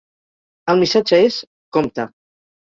El missatge és "Compte".